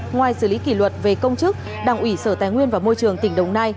ngoài xử lý kỷ luật về công chức đảng ủy sở tài nguyên và môi trường tỉnh đồng nai